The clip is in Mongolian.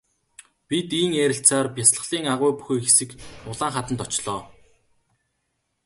Бид ийн ярилцсаар бясалгалын агуй бүхий хэсэг улаан хаданд очлоо.